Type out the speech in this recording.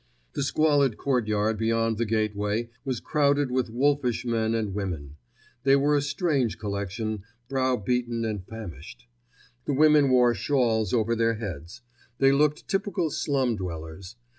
The squalid courtyard beyond the gateway was crowded with wolfish men and women. They were a strange collection, brow beaten and famished. The women wore shawls over their heads; they looked typical slum dwellers.